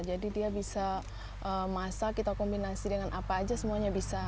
jadi dia bisa masak kita kombinasi dengan apa saja semuanya bisa